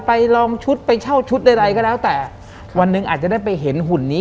ลองชุดไปเช่าชุดใดใดก็แล้วแต่วันหนึ่งอาจจะได้ไปเห็นหุ่นนี้